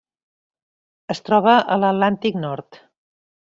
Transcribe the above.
Es troba a l'Atlàntic nord.